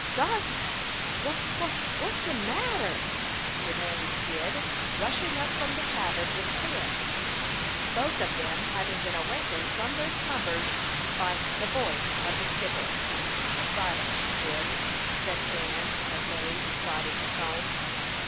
"Gossifus! Wha wha wha what's de matter?" demanded Cyd, rushing up from the cabin with Quin, both of them having been awakened from their slumbers by the voice of the skipper. "Silence, Cyd!" said Dan, in a low, decided tone.